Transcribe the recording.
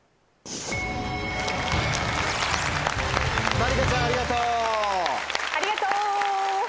まりかちゃんありがとう！